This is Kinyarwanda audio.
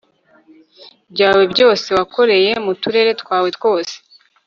byawe byose wakoreye mu turere twawe twose